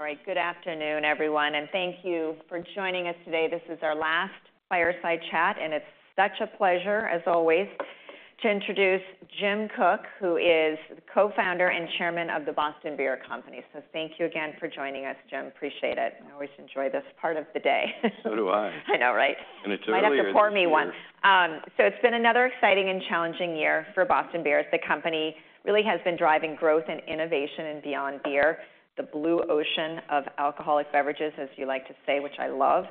All right, good afternoon, everyone, and thank you for joining us today. This is our last fireside chat, and it's such a pleasure, as always, to introduce Jim Koch, who is the co-founder and chairman of The Boston Beer Company. So thank you again for joining us, Jim. Appreciate it. I always enjoy this part of the day. So do I. I know, right? It's a really exciting year. I'd have to pour me one. So it's been another exciting and challenging year for Boston Beer. The company really has been driving growth and innovation and beyond beer, the blue ocean of alcoholic beverages, as you like to say, which I love.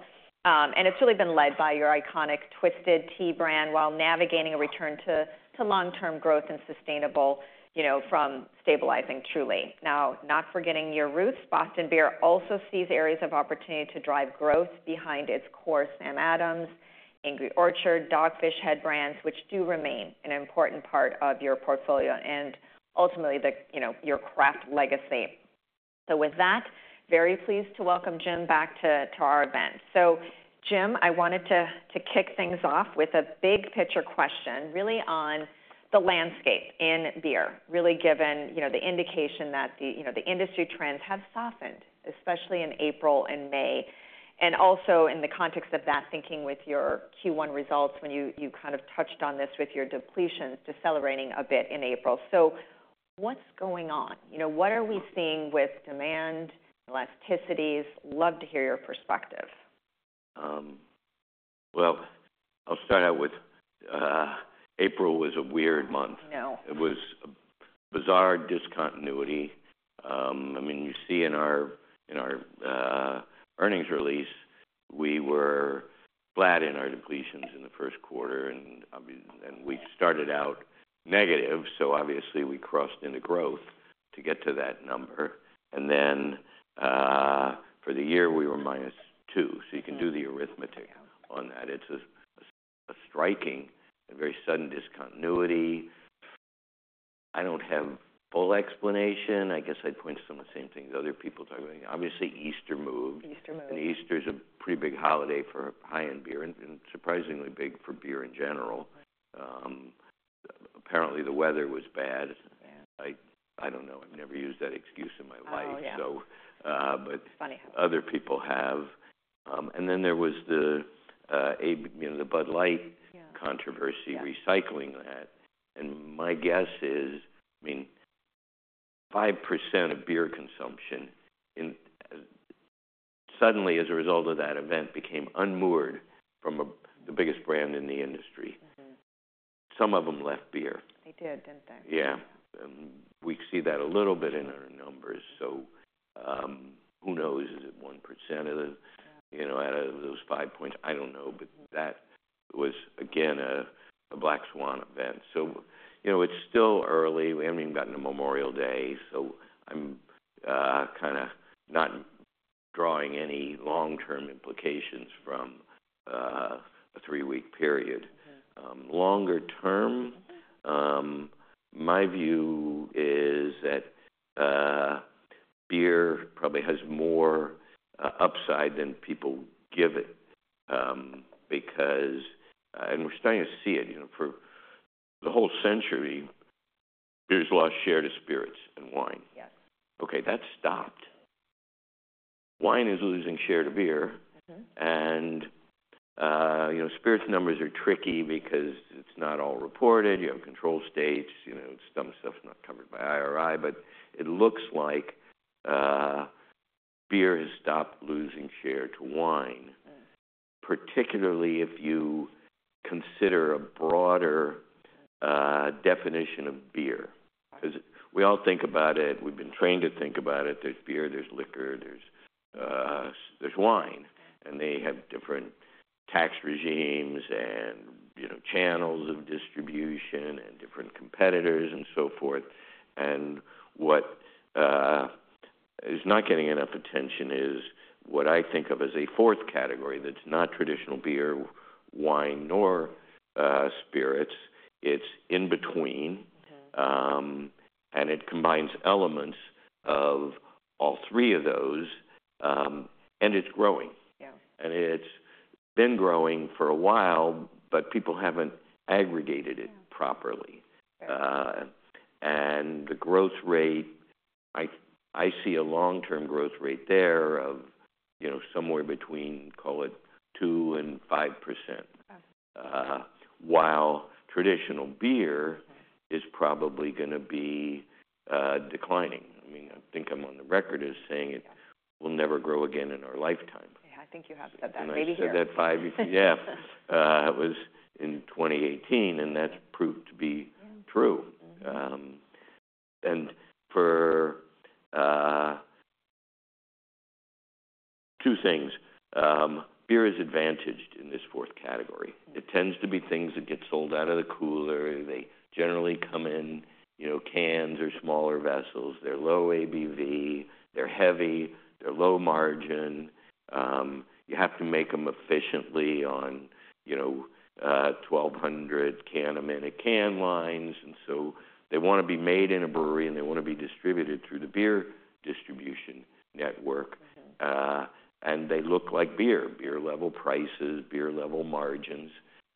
It's really been led by your iconic Twisted Tea brand while navigating a return to long-term growth and sustainable, you know, from stabilizing Truly. Now, not forgetting your roots, Boston Beer also sees areas of opportunity to drive growth behind its core Samuel Adams, Angry Orchard, Dogfish Head brands, which do remain an important part of your portfolio and ultimately the, you know, your craft legacy. So with that, very pleased to welcome Jim back to our event. So, Jim, I wanted to kick things off with a big picture question, really on the landscape in beer, really given, you know, the indication that, you know, the industry trends have softened, especially in April and May. Also in the context of that, thinking with your Q1 results when you kind of touched on this with your depletions, decelerating a bit in April. So what's going on? You know, what are we seeing with demand, elasticities? Love to hear your perspective. Well, I'll start out with, April was a weird month. No. It was a bizarre discontinuity. I mean, you see in our earnings release, we were flat in our depletions in the first quarter, and obviously then we started out negative, so obviously we crossed into growth to get to that number. And then, for the year, we were two. So you can do the arithmetic on that. It's a striking and very sudden discontinuity. I don't have full explanation. I guess I'd point to some of the same things other people talk about. Obviously, Easter moved. Easter moved. Easter's a pretty big holiday for high-end beer and surprisingly big for beer in general. Apparently the weather was bad. Bad. I, I don't know. I've never used that excuse in my life. Oh, yeah. So, but. It's funny how. Other people have. And then there was the AB, you know, the Bud Light controversy. Yeah. Recycling that. My guess is, I mean, 5% of beer consumption is suddenly, as a result of that event, became unmoored from the biggest brand in the industry. Mm-hmm. Some of them left beer. They did, didn't they? Yeah. And we see that a little bit in our numbers. So, who knows? Is it 1% of the, you know, out of those 5 points? I don't know, but that was, again, a Black Swan event. So, you know, it's still early. We haven't even gotten to Memorial Day, so I'm kinda not drawing any long-term implications from a three-week period. Longer term, my view is that beer probably has more upside than people give it, because and we're starting to see it, you know, for the whole century, beers lost share to spirits and wine. Yes. Okay, that stopped. Wine is losing share to beer. Mm-hmm. You know, spirits numbers are tricky because it's not all reported. You have control states. You know, some stuff's not covered by IRI, but it looks like beer has stopped losing share to wine, particularly if you consider a broader definition of beer. 'Cause we all think about it. We've been trained to think about it. There's beer. There's liquor. There's wine. And they have different tax regimes and, you know, channels of distribution and different competitors and so forth. And what is not getting enough attention is what I think of as a fourth category that's not traditional beer, wine, nor spirits. It's in between. Okay. and it combines elements of all three of those, and it's growing. Yeah. It's been growing for a while, but people haven't aggregated it properly. Fair. And the growth rate, I, I see a long-term growth rate there of, you know, somewhere between, call it, 2%-5%, while traditional beer is probably gonna be declining. I mean, I think I'm on the record as saying it will never grow again in our lifetime. Yeah, I think you have said that. Maybe here. I said that five years ago. It was in 2018, and that's proved to be true. And for two things. Beer is advantaged in this fourth category. It tends to be things that get sold out of the cooler. They generally come in, you know, cans or smaller vessels. They're low ABV. They're heavy. They're low margin. You have to make them efficiently on, you know, 1,200 cans a minute can lines. And so they wanna be made in a brewery, and they wanna be distributed through the beer distribution network. Mm-hmm. They look like beer: beer level prices, beer level margins.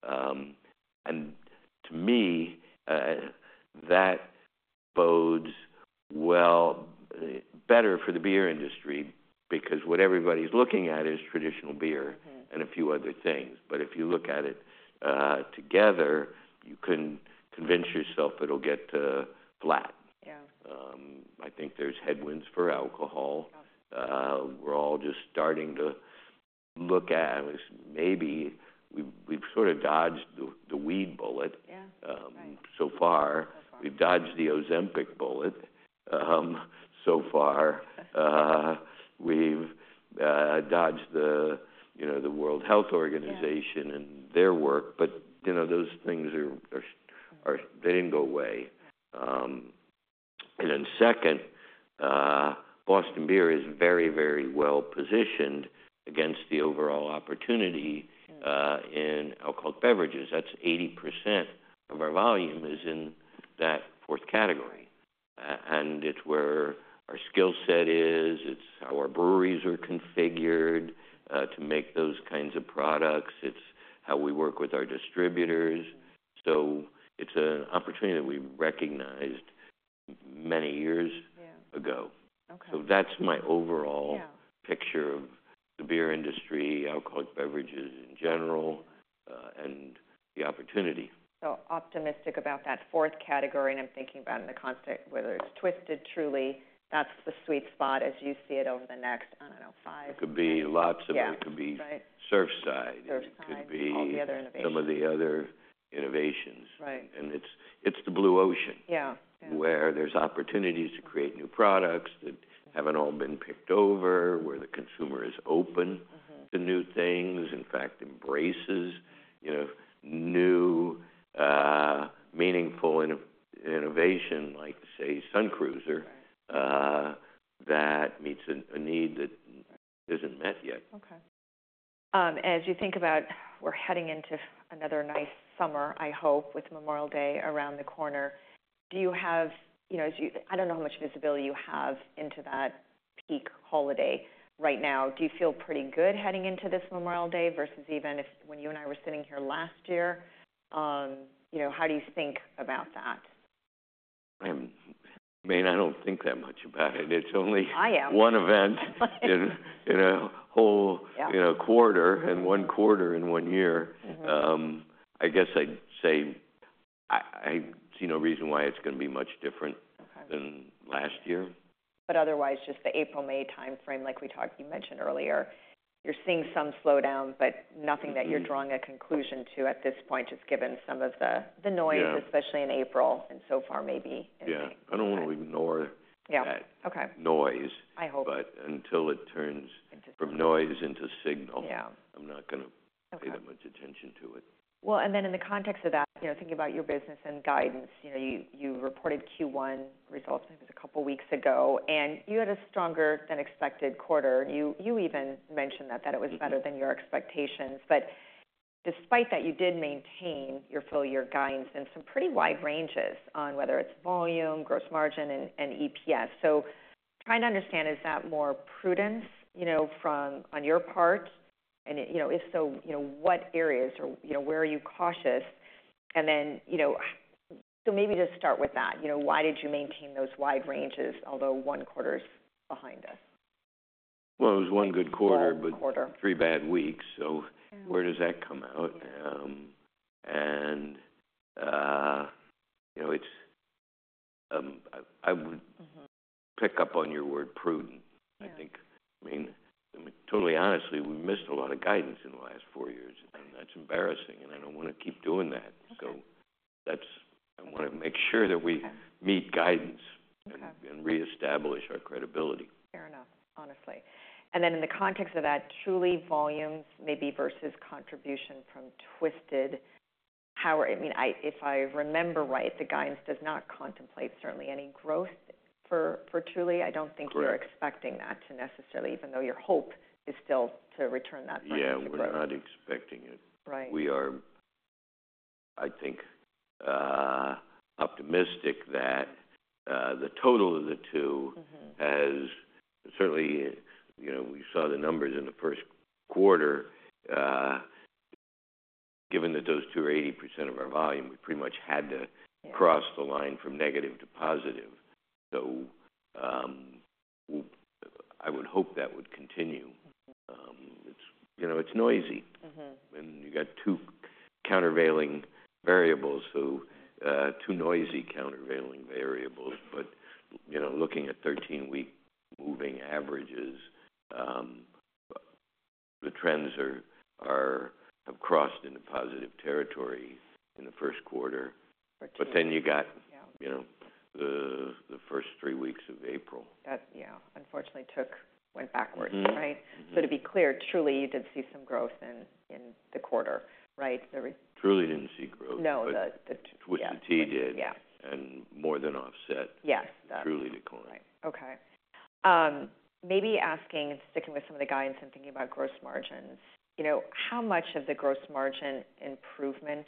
To me, that bodes well better for the beer industry because what everybody's looking at is traditional beer and a few other things. But if you look at it together, you couldn't convince yourself it'll get flat. Yeah. I think there's headwinds for alcohol. We're all just starting to look at, I mean, maybe we've sort of dodged the weed bullet. Yeah. Right. So far. We've dodged the Ozempic bullet, so far. We've dodged, you know, the World Health Organization and their work, but, you know, those things are. They didn't go away. And then second, Boston Beer is very, very well positioned against the overall opportunity in alcoholic beverages. That's 80% of our volume is in that fourth category. And it's where our skill set is. It's how our breweries are configured to make those kinds of products. It's how we work with our distributors. So it's an opportunity that we recognized many years ago. Yeah. Okay. That's my overall picture of the beer industry, alcoholic beverages in general, and the opportunity. Optimistic about that fourth category. I'm thinking about in the context whether it's Twisted, Truly, that's the sweet spot as you see it over the next, I don't know, five years. It could be lots of it. It could be Surfside. Surfside. Right. All the other innovations. Some of the other innovations. Right. It's, it's the blue ocean. Yeah. Yeah. Where there's opportunities to create new products that haven't all been picked over, where the consumer is open to new things, in fact, embraces, you know, new, meaningful innovation like, say, Sun Cruiser, that meets a need that isn't met yet. Okay. As you think about, we're heading into another nice summer, I hope, with Memorial Day around the corner. Do you have, you know, as you, I don't know, how much visibility you have into that peak holiday right now. Do you feel pretty good heading into this Memorial Day versus even if when you and I were sitting here last year, you know, how do you think about that? I mean, I don't think that much about it. It's only. I am. One event in a whole, you know, quarter and one quarter in one year. I guess I'd say I see no reason why it's gonna be much different than last year. Otherwise, just the April, May timeframe, like we talked, you mentioned earlier, you're seeing some slowdown, but nothing that you're drawing a conclusion to at this point, just given some of the noise, especially in April and so far maybe in May. Yeah. I don't wanna ignore that noise. I hope. But until it turns from noise into signal, I'm not gonna pay that much attention to it. Well, and then in the context of that, you know, thinking about your business and guidance, you know, you, you reported Q1 results I think it was a couple weeks ago, and you had a stronger than expected quarter. And you, you even mentioned that, that it was better than your expectations. But despite that, you did maintain your full year guidance in some pretty wide ranges on whether it's volume, gross margin, and, and EPS. So trying to understand, is that more prudence, you know, from on your part? And, you know, if so, you know, what areas or, you know, where are you cautious? And then, you know, so maybe just start with that. You know, why did you maintain those wide ranges although one quarter's behind us? Well, it was one good quarter, but three bad weeks. So where does that come out? And, you know, it's, I would pick up on your word prudent. I think, I mean, totally honestly, we missed a lot of guidance in the last four years, and that's embarrassing. And I don't wanna keep doing that. So that's I wanna make sure that we meet guidance and reestablish our credibility. Fair enough, honestly. And then in the context of that, Truly volumes maybe versus contribution from Twisted—I mean, if I remember right, the guidance does not contemplate, certainly, any growth for Truly. I don't think you're expecting that to necessarily, even though your hope is still to return that. Yeah. We're not expecting it. Right. We are, I think, optimistic that the total of the two has certainly, you know, we saw the numbers in the first quarter. Given that those two are 80% of our volume, we pretty much had to cross the line from negative to positive. So, I would hope that would continue. It's, you know, it's noisy. Mm-hmm. When you got two countervailing variables, so, two noisy countervailing variables. But, you know, looking at 13-week moving averages, the trends are, have crossed into positive territory in the first quarter. But then you got, you know, the first three weeks of April. That, yeah, unfortunately went backwards, right? So to be clear, Truly, you did see some growth in the quarter, right? The. Truly didn't see growth. No, the. Twisted Tea did. Yeah. More than offset. Yes. Truly declined. Right. Okay. Maybe asking and sticking with some of the guidance and thinking about gross margins, you know, how much of the gross margin improvement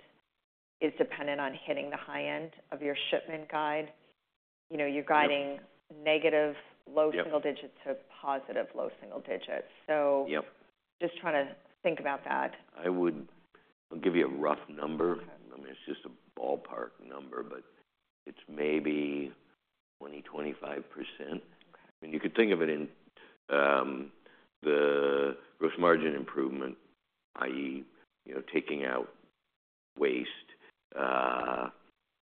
is dependent on hitting the high end of your shipment guide? You know, you're guiding negative low single digits to positive low single digits. So. Yep. Just trying to think about that. I would, I'll give you a rough number. I mean, it's just a ballpark number, but it's maybe 20%-25%. I mean, you could think of it in the gross margin improvement, i.e., you know, taking out waste,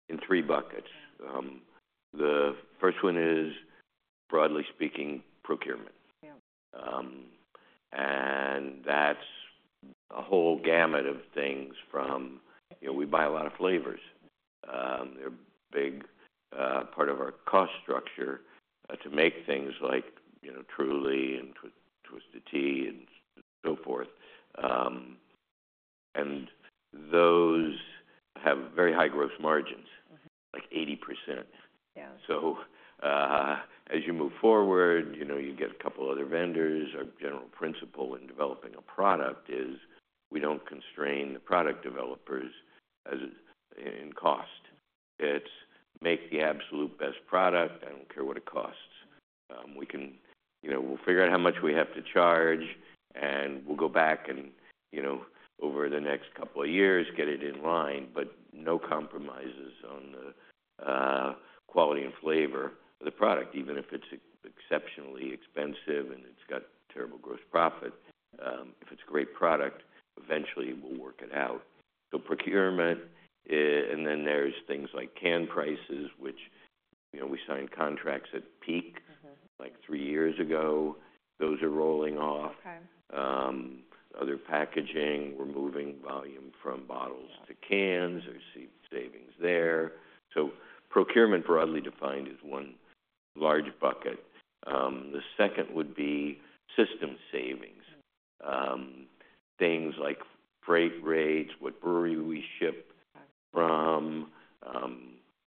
in three buckets. The first one is, broadly speaking, procurement. Yeah. That's a whole gamut of things from, you know, we buy a lot of flavors. They're a big part of our cost structure to make things like, you know, Truly and Twisted Tea and so forth. Those have very high gross margins, like 80%. Yeah. So, as you move forward, you know, you get a couple other vendors. Our general principle in developing a product is we don't constrain the product developers as in cost. It's make the absolute best product. I don't care what it costs. We can, you know, we'll figure out how much we have to charge, and we'll go back and, you know, over the next couple of years, get it in line, but no compromises on the quality and flavor of the product, even if it's exceptionally expensive and it's got terrible gross profit. If it's a great product, eventually, we'll work it out. So procurement, and then there's things like can prices, which, you know, we signed contracts at peak, like three years ago. Those are rolling off. Other packaging. We're moving volume from bottles to cans. There's savings there. So procurement, broadly defined, is one large bucket. The second would be system savings, things like freight rates, what brewery we ship from,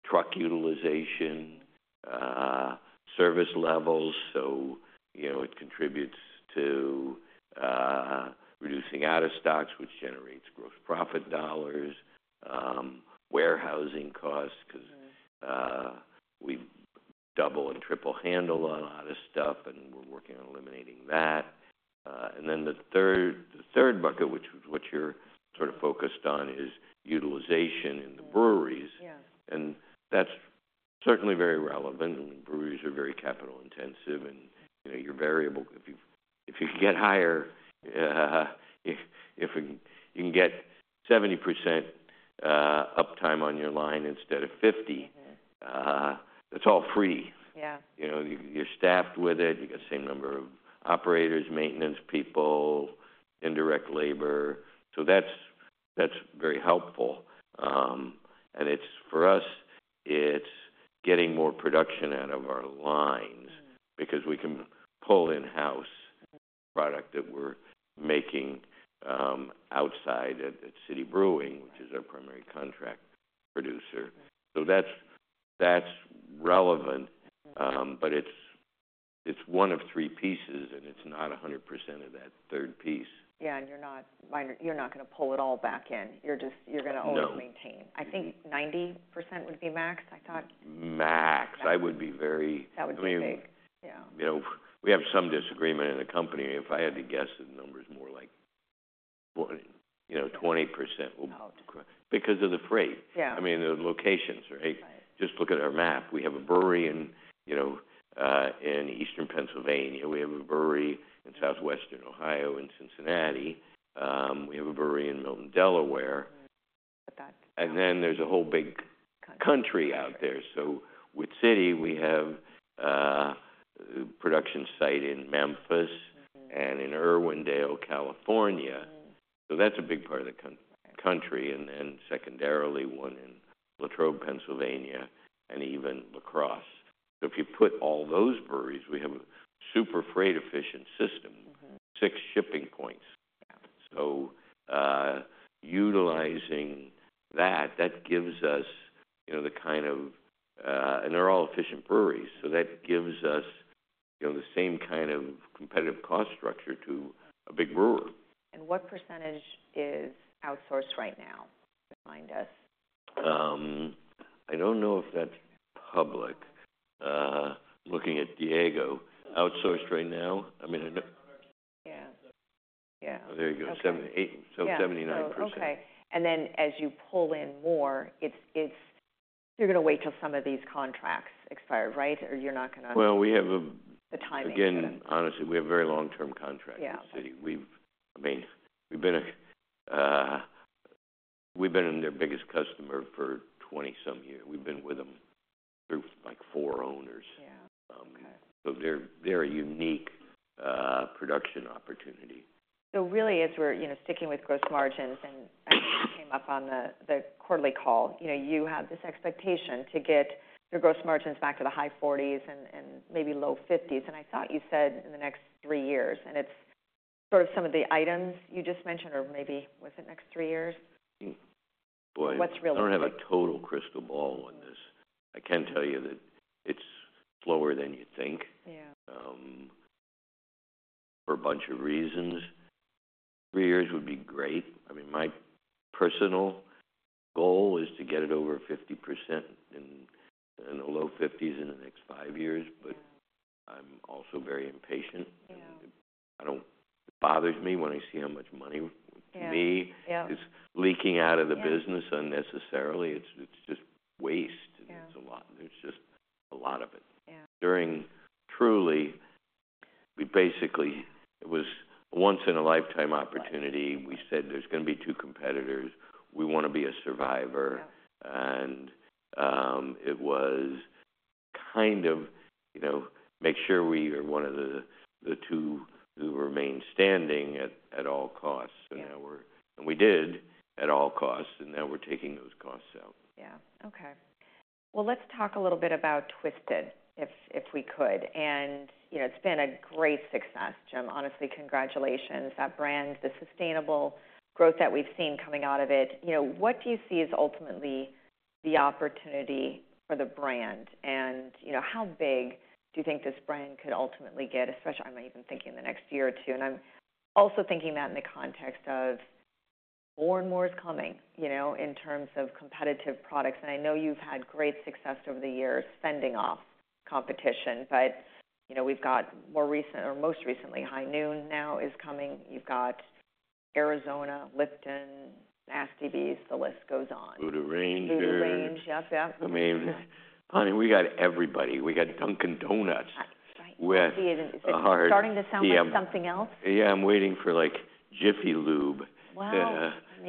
truck utilization, service levels. So, you know, it contributes to reducing out-of-stocks, which generates gross profit dollars, warehousing costs 'cause we double and triple handle a lot of stuff, and we're working on eliminating that. And then the third bucket, which is what you're sort of focused on, is utilization in the breweries. And that's certainly very relevant. I mean, breweries are very capital-intensive, and, you know, your variable if you can get higher, if you can get 70% uptime on your line instead of 50, that's all free. Yeah. You know, you're staffed with it. You got the same number of operators, maintenance people, indirect labor. So that's, that's very helpful. It's for us, it's getting more production out of our lines because we can pull in-house product that we're making outside at City Brewing, which is our primary contract producer. So that's, that's relevant, but it's, it's one of three pieces, and it's not 100% of that third piece. Yeah. And you're not gonna pull it all back in. You're just gonna only maintain. No. I think 90% would be max, I thought? Max. I would be very. That would be big. Yeah. You know, we have some disagreement in the company. If I had to guess, the number's more like 20%. Oh. Because of the freight. I mean, the locations, right? Just look at our map. We have a brewery in, you know, in eastern Pennsylvania. We have a brewery in southwestern Ohio and Cincinnati. We have a brewery in Milton, Delaware. But that's. Then there's a whole big country out there. So with City, we have production sites in Memphis and in Irwindale, California. So that's a big part of the country. And then secondarily, one in Latrobe, Pennsylvania, and even La Crosse. So if you put all those breweries together, we have a super freight-efficient system, six shipping points. So utilizing that gives us, you know, the kind of cost structure, and they're all efficient breweries. So that gives us, you know, the same kind of competitive cost structure as a big brewer. What percentage is outsourced right now behind us? I don't know if that's public. Looking at Diego, outsourced right now? I mean, I know. Yeah. Yeah. There you go. So 79%. Okay. And then as you pull in more, it's, it's you're gonna wait till some of these contracts expire, right? Or you're not gonna. Well, we have a. The timing. Again, honestly, we have very long-term contracts with City. We've, I mean, we've been their biggest customer for 20-some years. We've been with them through like four owners. So they're a unique production opportunity. So really, as we're, you know, sticking with gross margins and I think you came up on the quarterly call, you know, you have this expectation to get your gross margins back to the high 40s and maybe low 50s. And it's sort of some of the items you just mentioned or maybe was it next three years? Boy. What's really? I don't have a total crystal ball on this. I can tell you that it's slower than you think, for a bunch of reasons. Three years would be great. I mean, my personal goal is to get it over 50% in the low 50s in the next five years, but I'm also very impatient. I don't, it bothers me when I see how much money to me is leaking out of the business unnecessarily. It's just waste, and it's just a lot of it. During Truly, we basically, it was a once-in-a-lifetime opportunity. We said there's gonna be two competitors. We wanna be a survivor. And it was kind of, you know, make sure we are one of the two who remain standing at all costs. So now we're, and we did at all costs, and now we're taking those costs out. Yeah. Okay. Well, let's talk a little bit about Twisted if, if we could. And, you know, it's been a great success, Jim. Honestly, congratulations. That brand, the sustainable growth that we've seen coming out of it, you know, what do you see as ultimately the opportunity for the brand? And, you know, how big do you think this brand could ultimately get, especially I'm even thinking the next year or two. And I'm also thinking that in the context of more and more is coming, you know, in terms of competitive products. And I know you've had great success over the years fending off competition. But, you know, we've got more recent or most recently, High Noon now is coming. You've got Arizona, Lipton, Nasty Beast. The list goes on. Voodoo Ranger. Voodoo Ranger. Yep, yep. I mean, honey, we got everybody. We got Dunkin' Donuts with. Right. Right. See, is it starting to sound like something else? Yeah. I'm waiting for, like, Jiffy Lube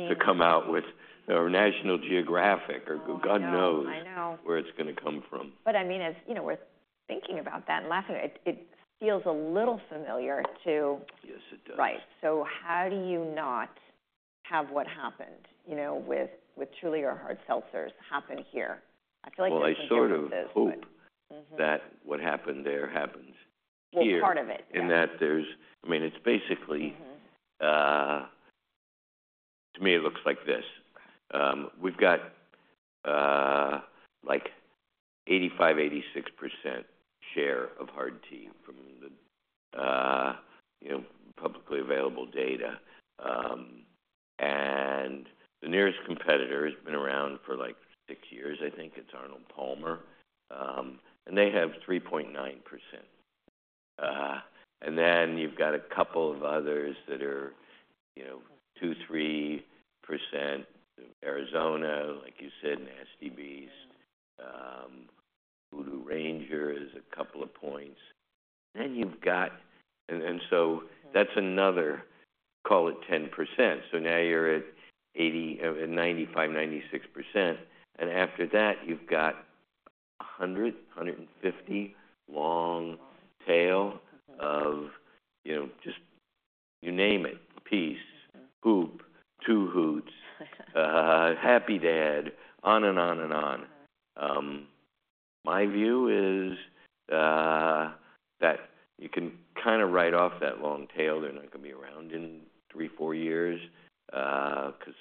to come out with or National Geographic or God knows where it's gonna come from. I mean, as you know, we're thinking about that and laughing, it feels a little familiar to. Yes, it does. Right. So how do you not have what happened, you know, with, with Truly or Hard Seltzers happen here? I feel like you can think of this, but. Well, I sort of hope that what happened there happens here. Well, part of it, yeah. In that, there's—I mean, it's basically, to me, it looks like this. We've got, like, 85%-86% share of Hard Tea from the, you know, publicly available data. And the nearest competitor has been around for like six years. I think it's Arnold Palmer. And they have 3.9%. And then you've got a couple of others that are, you know, 2%-3%, Arizona, like you said, and Stateside. Voodoo Ranger is a couple of points. Then you've got, and so that's another, call it 10%. So now you're at 85-95, 96%. And after that, you've got 100-150 long tail of, you know, just you name it, Peace, Hoop, 2 Hoots, Happy Dad, on and on and on. My view is, that you can kinda write off that long tail. They're not gonna be around in three, four years, 'cause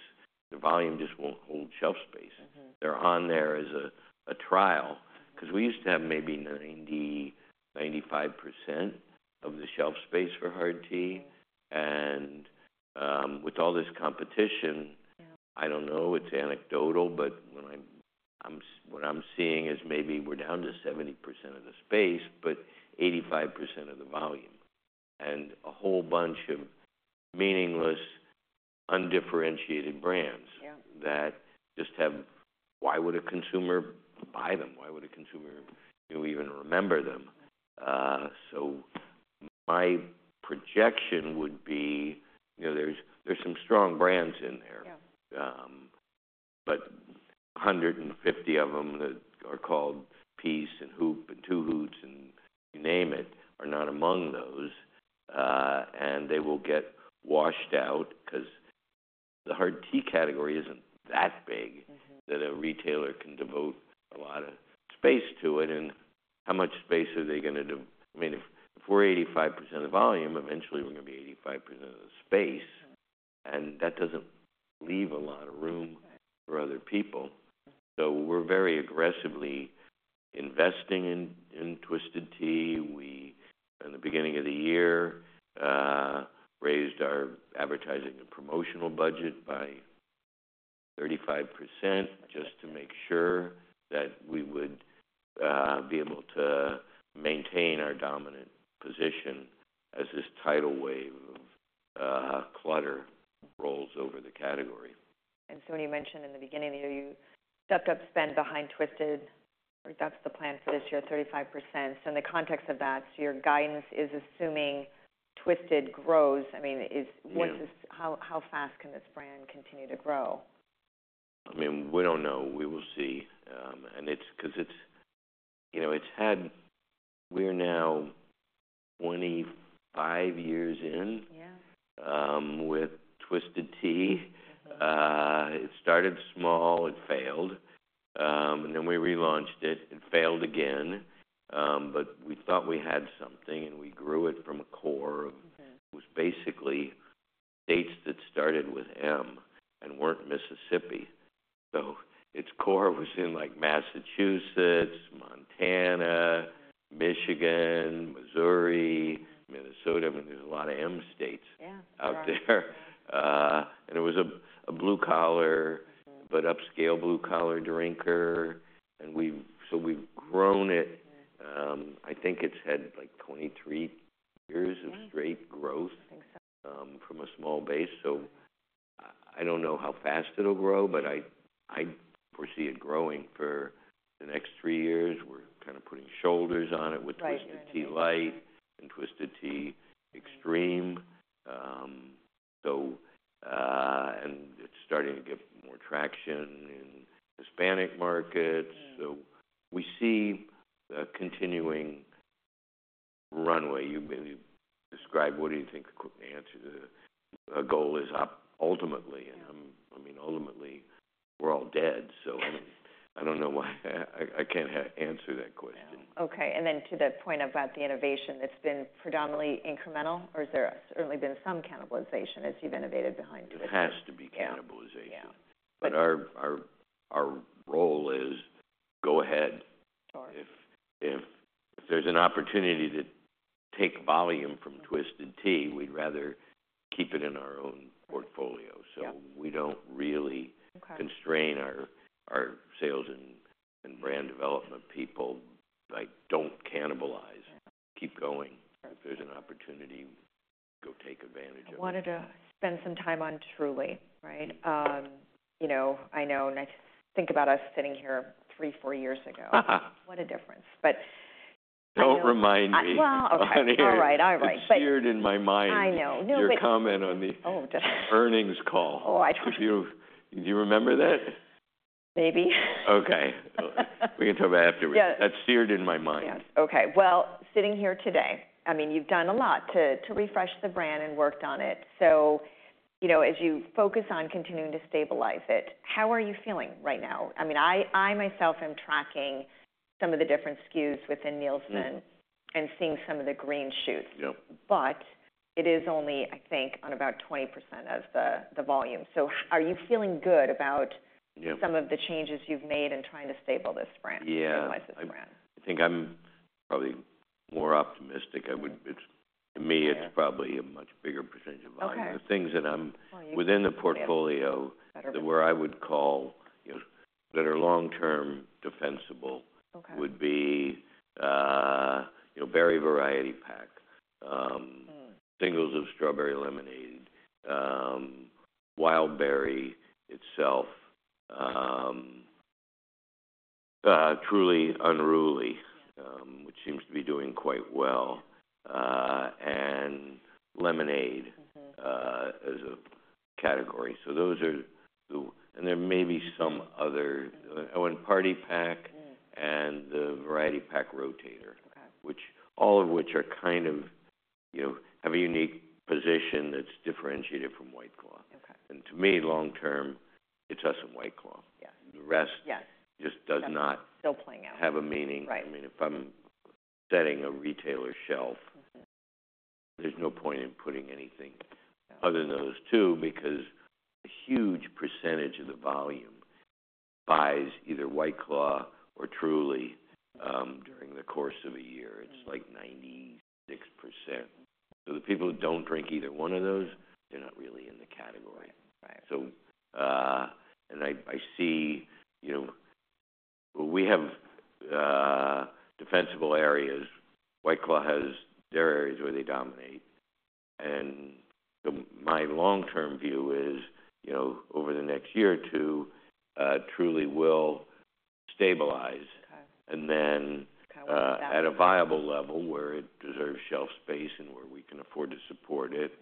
the volume just won't hold shelf space. They're on there as a trial 'cause we used to have maybe 90%-95% of the shelf space for Hard Tea. With all this competition, I don't know. It's anecdotal, but what I'm seeing is maybe we're down to 70% of the space but 85% of the volume and a whole bunch of meaningless, undifferentiated brands that just have why would a consumer buy them? Why would a consumer, you know, even remember them? So my projection would be, you know, there's some strong brands in there. But 150 of them that are called Peace and Hoop and 2 Hoots and you name it are not among those. They will get washed out 'cause the Hard Tea category isn't that big that a retailer can devote a lot of space to it. And how much space are they gonna devote? I mean, if we're 85% of volume, eventually, we're gonna be 85% of the space. And that doesn't leave a lot of room for other people. So we're very aggressively investing in Twisted Tea. We in the beginning of the year raised our advertising and promotional budget by 35% just to make sure that we would be able to maintain our dominant position as this tidal wave of clutter rolls over the category. When you mentioned in the beginning, you know, you stepped up spend behind Twisted. That's the plan for this year, 35%. So in the context of that, your guidance is assuming Twisted grows. I mean, is this how fast can this brand continue to grow? I mean, we don't know. We will see. It's 'cause it's, you know, it's had—we are now 25 years in with Twisted Tea. It started small. It failed. Then we relaunched it. It failed again. But we thought we had something, and we grew it from a core of—it was basically states that started with M and weren't Mississippi. So its core was in, like, Massachusetts, Montana, Michigan, Missouri, Minnesota. I mean, there's a lot of M states out there. And it was a blue-collar but upscale blue-collar drinker. And so we've grown it. I think it's had like 23 years of straight growth, from a small base. So I don't know how fast it'll grow, but I foresee it growing for the next three years. We're kinda putting shoulders on it with Twisted Tea Light and Twisted Tea Extreme. So, and it's starting to get more traction in Hispanic markets. So we see a continuing runway. You maybe describe what do you think the answer to the goal is ultimately. And I mean, ultimately, we're all dead. So I mean, I don't know why I can't answer that question. Okay. And then to the point about the innovation, it's been predominantly incremental, or has there certainly been some cannibalization as you've innovated behind Twisted Tea? It has to be cannibalization. But our role is go ahead. If there's an opportunity to take volume from Twisted Tea, we'd rather keep it in our own portfolio. So we don't really constrain our sales and brand development people. I don't cannibalize. Keep going. If there's an opportunity, go take advantage of it. Wanted to spend some time on Truly, right? You know, I know and I think about us sitting here 3-4 years ago. What a difference. But. Don't remind me. Well, okay. All right. All right. But. That's seared in my mind. I know. No, but. Your comment on the earnings call. Oh, I trust. If you do, you remember that? Maybe. Okay. We can talk about it afterwards. That's seared in my mind. Yes. Okay. Well, sitting here today, I mean, you've done a lot to refresh the brand and worked on it. So, you know, as you focus on continuing to stabilize it, how are you feeling right now? I mean, I myself am tracking some of the different SKUs within Nielsen and seeing some of the green shoots. But it is only, I think, on about 20% of the volume. So are you feeling good about some of the changes you've made in trying to stable this brand, stabilize this brand? Yeah. I think I'm probably more optimistic. I would it's to me, it's probably a much bigger percentage of volume. The things that I'm within the portfolio that where I would call, you know, that are long-term defensible would be, you know, Berry Variety Pack, singles of strawberry lemonade, Wildberry itself, Truly Unruly, which seems to be doing quite well, and Lemonade, as a category. So those are the and there may be some other I went Party Pack and the Variety Pack Rotator, which all of which are kind of, you know, have a unique position that's differentiated from White Claw. And to me, long-term, it's us and White Claw. The rest just does not. Still playing out. Has a meaning. I mean, if I'm setting a retailer shelf, there's no point in putting anything other than those two because a huge percentage of the volume buys either White Claw or Truly, during the course of a year. It's like 96%. So the people who don't drink either one of those, they're not really in the category. So, and I, I see, you know well, we have, defensible areas. White Claw has their areas where they dominate. And so my long-term view is, you know, over the next year or two, Truly will stabilize and then at a viable level where it deserves shelf space and where we can afford to support it.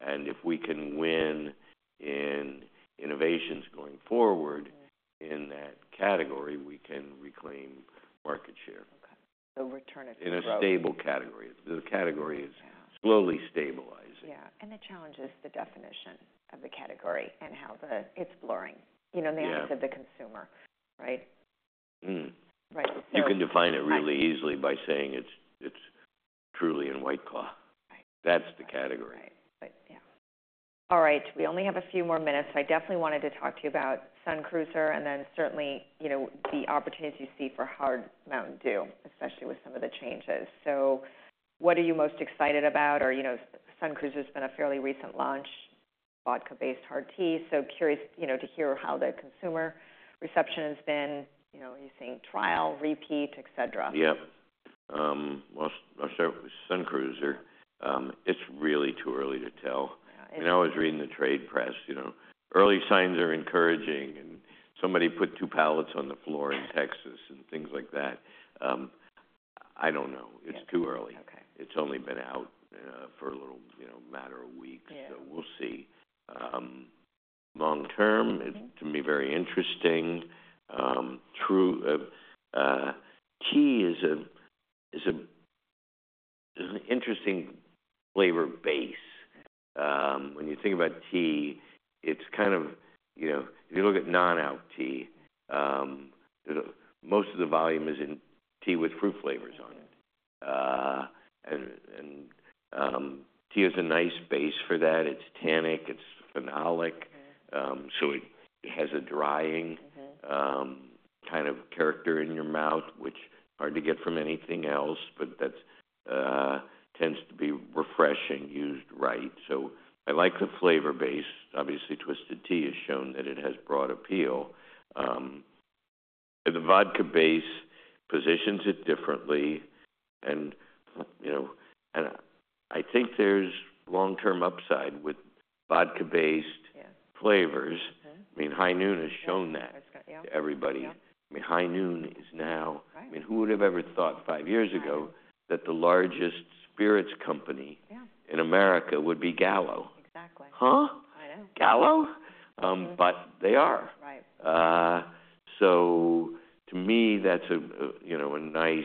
And if we can win in innovations going forward in that category, we can reclaim market share. Okay. Return it to growth. In a stable category. The category is slowly stabilizing. Yeah. The challenge is the definition of the category and how it's blurring, you know, in the eyes of the consumer, right? You can define it really easily by saying it's, it's Truly and White Claw. That's the category. Right. But yeah. All right. We only have a few more minutes. I definitely wanted to talk to you about Sun Cruiser and then certainly, you know, the opportunities you see for Hard MTN DEW, especially with some of the changes. So what are you most excited about? Or, you know, Sun Cruiser's been a fairly recent launch, vodka-based Hard Tea. So curious, you know, to hear how the consumer reception has been. You know, you're saying trial, repeat, etc. Yep. Well, I'll start with Sun Cruiser. It's really too early to tell. I was reading the trade press, you know. Early signs are encouraging. Somebody put two pallets on the floor in Texas and things like that. I don't know. It's too early. It's only been out for a little, you know, matter of weeks. So we'll see. Long-term, it's to me very interesting. Fruit tea is an interesting flavor base. When you think about tea, it's kind of, you know, if you look at non-alc tea, most of the volume is in tea with fruit flavors on it. And tea is a nice base for that. It's tannic. It's phenolic. So it has a drying, kind of character in your mouth, which is hard to get from anything else. But that tends to be refreshing used right. So I like the flavor base. Obviously, Twisted Tea has shown that it has broad appeal. The vodka base positions it differently. And, you know, and I think there's long-term upside with vodka-based flavors. I mean, High Noon has shown that to everybody. I mean, High Noon is now I mean, who would have ever thought five years ago that the largest spirits company in America would be Gallo? Exactly. Huh? I know. Gallo? But they are. So to me, that's, you know, a nice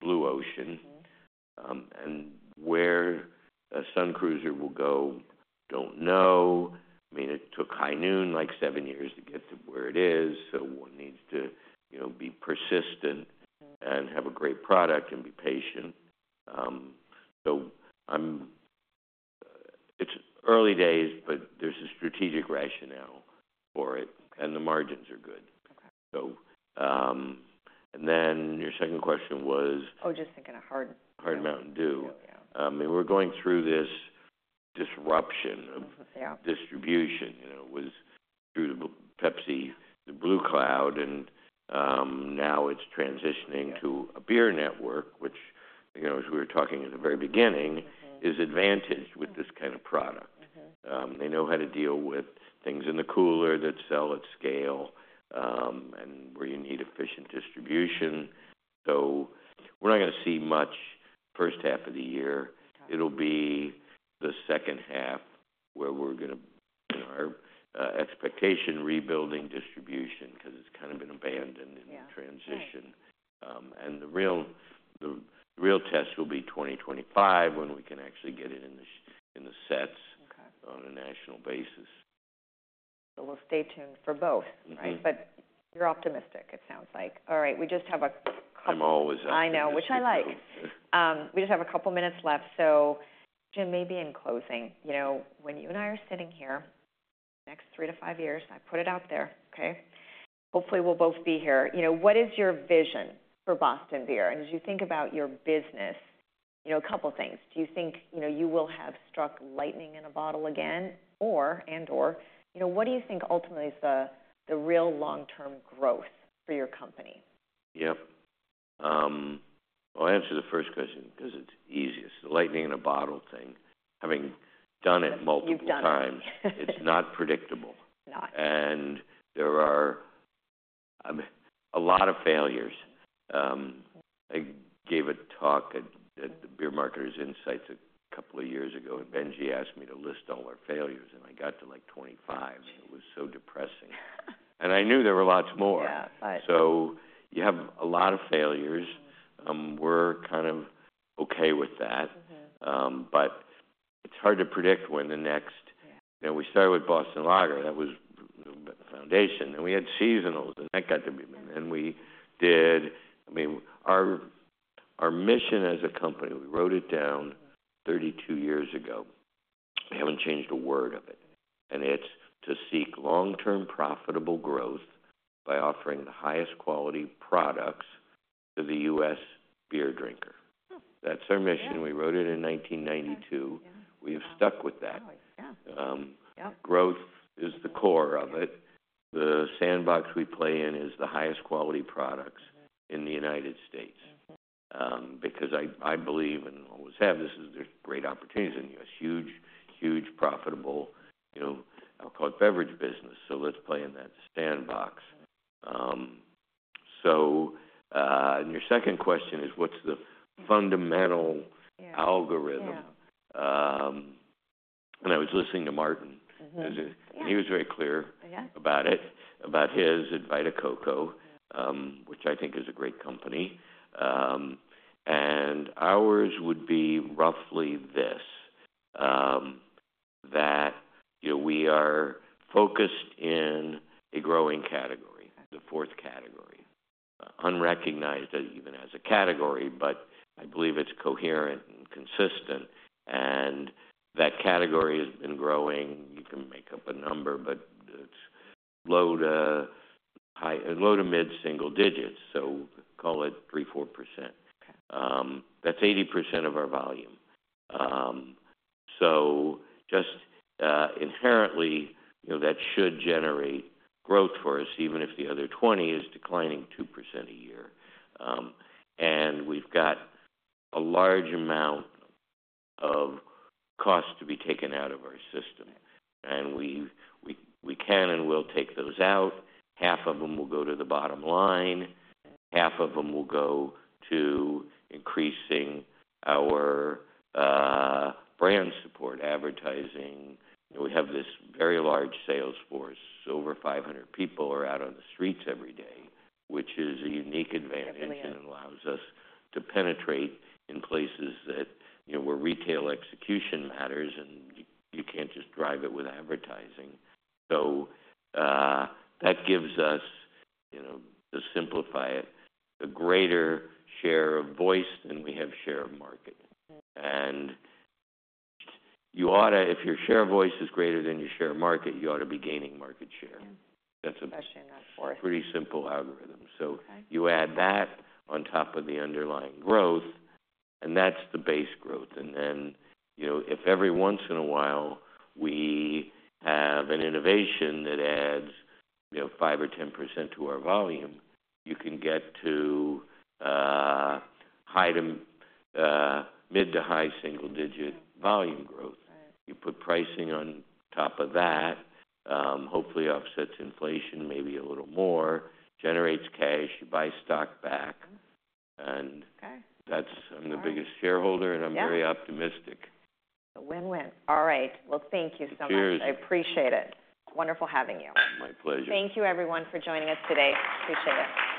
blue ocean. And where Sun Cruiser will go, don't know. I mean, it took High Noon like seven years to get to where it is. So one needs to, you know, be persistent and have a great product and be patient. So it's early days, but there's a strategic rationale for it, and the margins are good. So, and then your second question was. Oh, just thinking of Hard. Hard MTN DEW. I mean, we're going through this disruption of distribution, you know, was through the Pepsi, the Blue Cloud. And now it's transitioning to a beer network, which, you know, as we were talking at the very beginning, is advantaged with this kind of product. They know how to deal with things in the cooler that sell at scale, and where you need efficient distribution. So we're not gonna see much first half of the year. It'll be the second half where we're gonna, in our expectation, rebuilding distribution 'cause it's kind of been abandoned in the transition. And the real test will be 2025 when we can actually get it in the sets on a national basis. We'll stay tuned for both, right? You're optimistic, it sounds like. All right. We just have a couple. I'm always optimistic. I know, which I like. We just have a couple minutes left. So, Jim, maybe in closing, you know, when you and I are sitting here next three to five years, I put it out there, okay? Hopefully, we'll both be here. You know, what is your vision for Boston Beer? And as you think about your business, you know, a couple things. Do you think, you know, you will have struck lightning in a bottle again or and/or? You know, what do you think ultimately is the, the real long-term growth for your company? Yep. Well, I'll answer the first question 'cause it's easiest. The lightning in a bottle thing, having done it multiple times, it's not predictable. And there are, I mean, a lot of failures. I gave a talk at the Beer Marketer's Insights a couple of years ago, and Benji asked me to list all our failures, and I got to like 25. It was so depressing. And I knew there were lots more. So you have a lot of failures. We're kind of okay with that. But it's hard to predict when the next you know, we started with Boston Lager. That was a foundation. Then we had seasonals, and that got to be and then we did I mean, our, our mission as a company, we wrote it down 32 years ago. We haven't changed a word of it. It's to seek long-term profitable growth by offering the highest quality products to the U.S. beer drinker. That's our mission. We wrote it in 1992. We have stuck with that. Growth is the core of it. The sandbox we play in is the highest quality products in the United States, because I believe and always have this is there's great opportunities in the U.S., huge, huge profitable, you know, alcoholic beverage business. So let's play in that sandbox. And your second question is, what's the fundamental algorithm? And I was listening to Martin, and he was very clear about it, about his at Vita Coco, which I think is a great company. And ours would be roughly this, that, you know, we are focused in a growing category, the fourth category, unrecognized even as a category. But I believe it's coherent and consistent. That category has been growing. You can make up a number, but it's low to high low to mid single digits. So call it 3%-4%. That's 80% of our volume. Just, inherently, you know, that should generate growth for us even if the other 20 is declining 2% a year. We've got a large amount of cost to be taken out of our system. And we can and will take those out. Half of them will go to the bottom line. Half of them will go to increasing our brand support, advertising. We have this very large sales force. Over 500 people are out on the streets every day, which is a unique advantage and allows us to penetrate in places that, you know, where retail execution matters. And you can't just drive it with advertising. So, that gives us, you know, to simplify it, a greater share of voice than we have share of market. And you ought to, if your share of voice is greater than your share of market, you ought to be gaining market share. That's a pretty simple algorithm. So you add that on top of the underlying growth, and that's the base growth. And then, you know, if every once in a while, we have an innovation that adds, you know, 5% or 10% to our volume, you can get to mid- to high-single-digit volume growth. You put pricing on top of that, hopefully offsets inflation, maybe a little more, generates cash. You buy stock back. And that's—I'm the biggest shareholder, and I'm very optimistic. A win-win. All right. Well, thank you so much. I appreciate it. Wonderful having you. My pleasure. Thank you, everyone, for joining us today. Appreciate it.